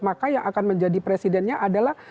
maka yang akan menjadi presidennya adalah